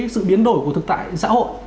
sự biến đổi của thực tại xã hội